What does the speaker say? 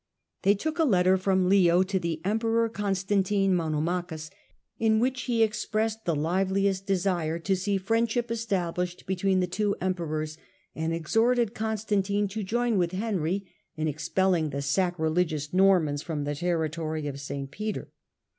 They took a letter from Leo to the emperor Constantino (Monomachus), in which he expressed the Digitized by VjOOQIC Progress of Reform under Leo IX, 37 liveliest desire to see firiendship established between the two emperors, and exhorted Constantino to join with Henry in expelling the sacrilegious Normans from the territory of St. Peter.